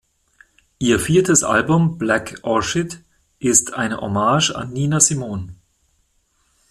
Ihr viertes Album "Black Orchid" ist eine Hommage an Nina Simone.